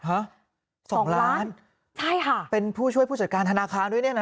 ฮะ๒ล้านเป็นผู้ช่วยผู้จัดการธนาคารด้วยเนี่ยนะ